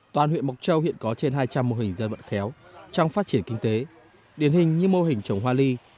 toàn huyện mộc châu hiện có trên hai trăm linh mô hình dân vận khéo trong phát triển kinh tế điển hình như mô hình trồng hoa ly